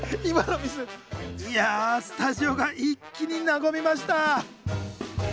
いやスタジオが一気に和みました。